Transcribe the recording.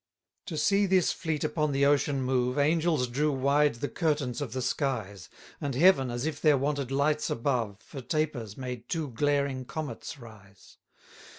16 To see this fleet upon the ocean move, Angels drew wide the curtains of the skies; And heaven, as if there wanted lights above, For tapers made two glaring comets rise.